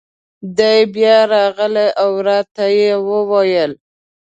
دی بیا راغی او را ته یې وویل: